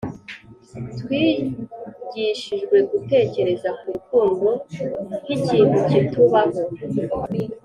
twigishijwe gutekereza ku rukundo nk'ikintu kitubaho.